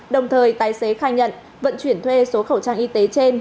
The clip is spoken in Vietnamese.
đồng thời tài xế khai nhận vận chuyển thuê số khẩu trang y tế trên